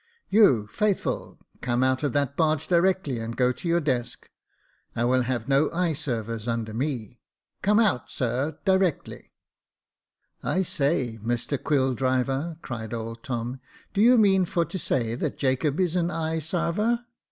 " You, Faithful, come out of that barge directly, and go to your desk. I will have no eye servers under me. Come out, sir, directly," *' I say, Mr Quilldriver," cried old Tom, " do you mean for to say that Jacob is an eye sarver